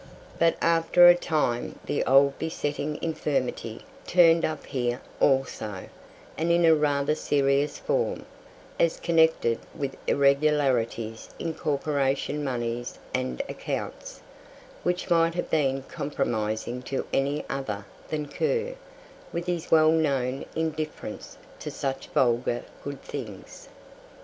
But after a time the old besetting infirmity turned up here also, and in a rather serious form, as connected with irregularities in Corporation moneys and accounts, which might have been compromising to any other than Kerr, with his well known indifference to such vulgar good things.